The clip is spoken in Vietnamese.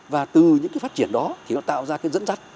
và từ những phát triển đó nó tạo ra dẫn dắt